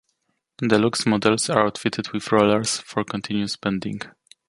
Deluxe models are outfitted with rollers for continuous bending.